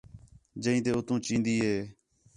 جئیں تے اُتّوں چیندی ہِے